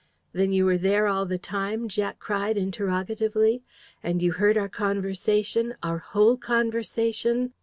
"Then you were there all the time?" Jack cried interrogatively. "And you heard our conversation our whole conversation?"